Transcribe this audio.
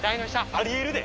あり得るで。